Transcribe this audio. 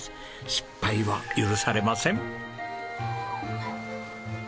失敗は許されません。